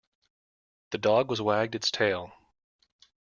The dog was wagged its tail.